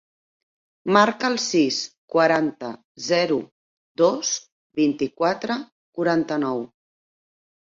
Marca el sis, quaranta, zero, dos, vint-i-quatre, quaranta-nou.